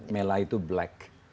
mela itu black